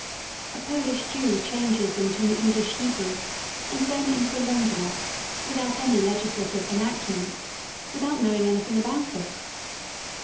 A Polish Jew changes into an English Hebrew and then into a Londoner without any legislative enactments, without knowing anything about it.